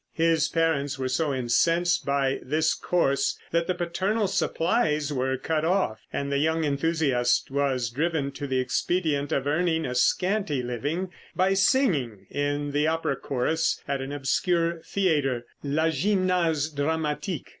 His parents were so incensed by this course that the paternal supplies were cut off, and the young enthusiast was driven to the expedient of earning a scanty living by singing in the opera chorus at an obscure theater, La Gymnase Dramatique.